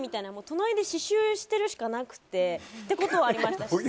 隣で刺繍してるしかなくてってことはありました。